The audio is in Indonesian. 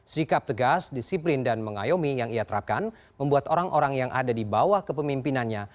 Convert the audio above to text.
sikap tegas disiplin dan mengayomi yang ia terapkan membuat orang orang yang ada di bawah kepemimpinannya